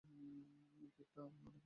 কেকটা অনেক মজার।